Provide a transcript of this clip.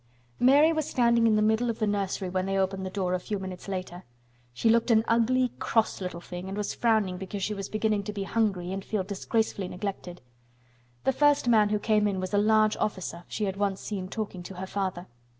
Mary was standing in the middle of the nursery when they opened the door a few minutes later. She looked an ugly, cross little thing and was frowning because she was beginning to be hungry and feel disgracefully neglected. The first man who came in was a large officer she had once seen talking to her father.